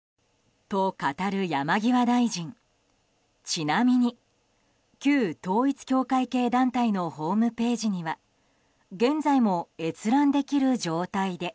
ちなみに旧統一教会系団体のホームページには現在も閲覧できる状態で。